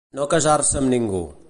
No casar-se amb ningú.